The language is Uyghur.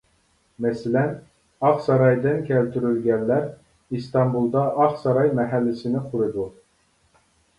مەسىلەن، ئاقسارايدىن كەلتۈرۈلگەنلەر ئىستانبۇلدا ئاقساراي مەھەللىسىنى قۇرىدۇ.